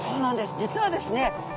実はですね